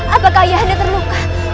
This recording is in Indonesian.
apakah ayah anda terluka